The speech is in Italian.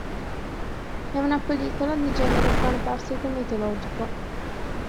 È una pellicola di genere fantastico-mitologico.